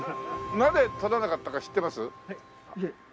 なぜ撮らなかったか知ってます？